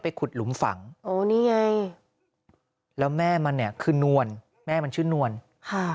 ขุดหลุมฝังโอ้นี่ไงแล้วแม่มันเนี่ยคือนวลแม่มันชื่อนวลค่ะ